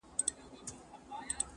ویل قیامت یې ویل محشر یې.!